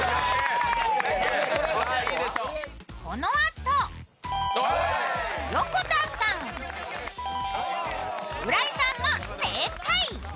そのあと横田さん、浦井さんも正解。